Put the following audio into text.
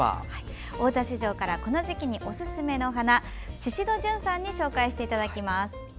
大田市場からこの時期におすすめの花を宍戸純さんに紹介していただきます。